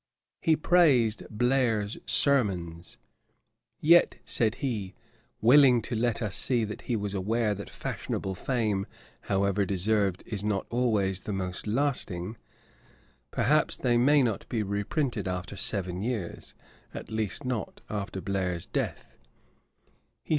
He praised Blair's sermons: 'Yet,' said he, (willing to let us see he was aware that fashionable fame, however deserved, is not always the most lasting,) 'perhaps, they may not be re printed after seven years; at least not after Blair's death.'